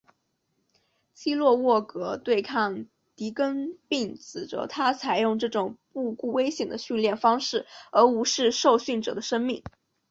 基洛沃格对抗迪根并指责他采用这种不顾危险的训练方式而无视受训者的生命。